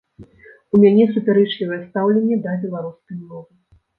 У мяне супярэчлівае стаўленне да беларускай мовы.